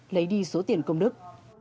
lấy đi số tiền công đức